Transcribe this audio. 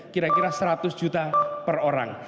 kira kira rp seratus per orang